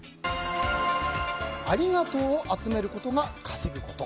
ありがとうを集めることが稼ぐこと。